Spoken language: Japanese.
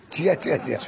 違う？